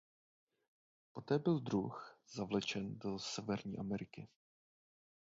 Poté byl druh zavlečen do Severní Ameriky.